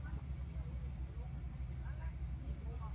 สวัสดีครับทุกคน